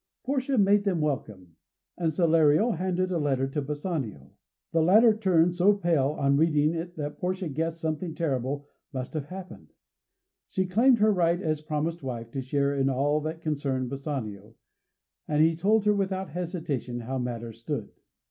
Portia made them welcome, and Salerio handed a letter to Bassanio. The latter turned so pale on reading it that Portia guessed something terrible must have happened. She claimed her right as promised wife to share in all that concerned Bassanio, and he told her without hesitation how matters stood.